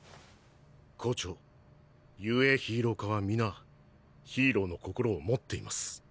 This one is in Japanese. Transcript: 校長雄英ヒーロー科は皆ヒーローの心を持っています。